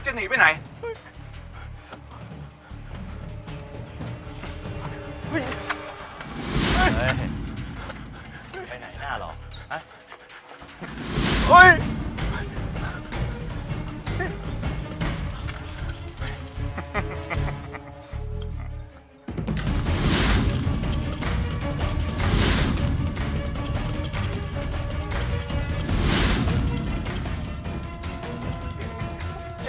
ฮ่าฮ่าฮ่า